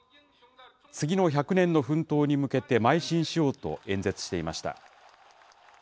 次の１００年の奮闘に向けてまい進しようと演説していました。